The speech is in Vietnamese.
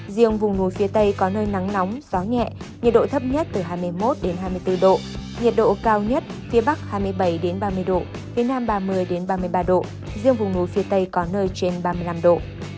riêng vùng núi phía tây có nơi nắng nóng gió nhẹ nhiệt độ thấp nhất từ hai mươi một hai mươi bốn độ nhiệt độ cao nhất phía bắc hai mươi bảy ba mươi độ phía nam ba mươi ba mươi ba độ riêng vùng núi phía tây có nơi trên ba mươi năm độ